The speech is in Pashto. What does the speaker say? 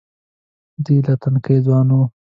دی لا تنکی ځوان و.